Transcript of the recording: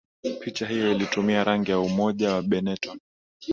picha hiyo ilitumia rangi ya umoja wa benetton